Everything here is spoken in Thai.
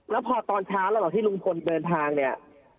แล้วพอตอนเช้าระหว่างที่ลุงพลเดินทางเนี่ย